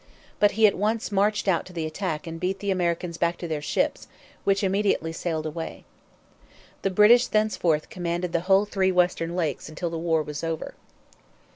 But he at once marched out to the attack and beat the Americans back to their ships, which immediately sailed away. The British thenceforth commanded the whole three western lakes until the war was over.